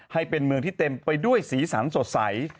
ให้เป็นเมืองที่เต็มไปด้วยสีสันสดใส